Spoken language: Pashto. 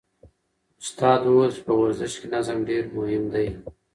استاد وویل چې په ورزش کې نظم ډېر مهم دی.